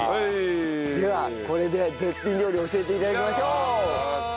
ではこれで絶品料理を教えて頂きましょう！